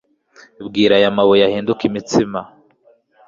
bwira aya mabuye ahinduke imitsima.'